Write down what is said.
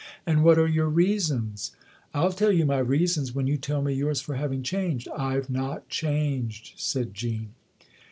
" And what are your reasons ?"" I'll tell you my reasons when you tell me yours for having changed." " I've not changed/' said Jean.